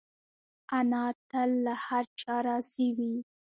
انا تل له هر چا راضي وي